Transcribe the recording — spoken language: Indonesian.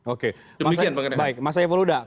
oke baik mas evo luda